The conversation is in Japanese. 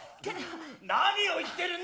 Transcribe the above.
何を言ってるんだ。